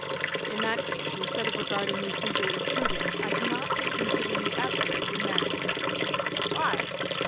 "In that case, instead of regarding you simply imprudent, I cannot but consider you absolutely mad." "Why?"